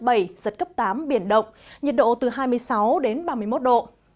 giật cấp tám biển động nhiệt độ từ hai mươi sáu đến ba mươi một độ